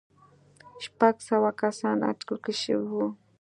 شپږ سوه کسان اټکل شوي وو.